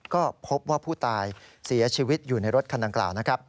ก็พบว่าผู้ตายเสียชีวิตอยู่ในรถคันดังกล่าวนะครับ